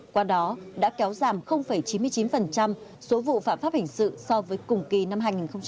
qua đó đã kéo giảm chín mươi chín số vụ phạm pháp hình sự so với cùng kỳ năm hai nghìn một mươi tám